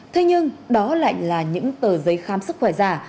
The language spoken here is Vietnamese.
thế nhưng đó lại là những tờ giấy khám sức khỏe giả